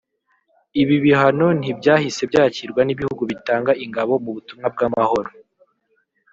Ibi bihano ntibyahise byakirwa n’ibihugu bitanga ingabo mu butumwa bw’amahoro